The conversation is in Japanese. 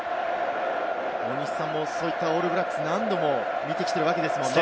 大西さんもそういうオールブラックスを何度も見てきているわけですからね。